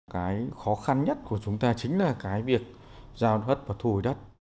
cái khó khăn nhất của chúng ta chính là cái việc giao đất và thù đất